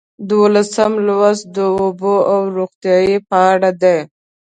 دولسم لوست د لوبو او روغتیا په اړه دی.